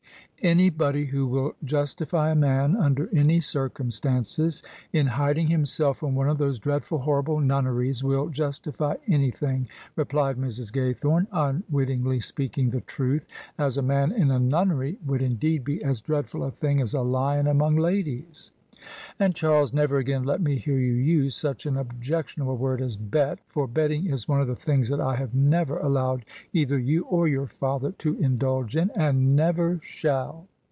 "Anybody who will justify a man, under any circum stances, in hiding himself in one of those dreadful, horrible nunneries, will justify anything," replied Mrs. Gajrthome, unwittingly peaking the truth, as a man in a nunnery would indeed be as dreadful a thing as a lion among ladies. " And, Charles, never again let me hear you use such an objection able word as ' bet,' for betting is one of the things that I have never allowed either you or your father to indulge in, and never shall."